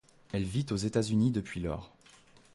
Elle vit aux États-Unis depuis lors.